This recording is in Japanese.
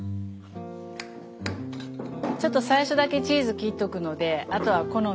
ちょっと最初だけチーズ切っとくのであとは好みで。